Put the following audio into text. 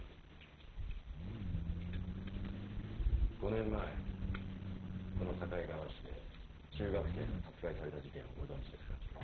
５年前この境川市で中学生が殺害された事件をご存じですか？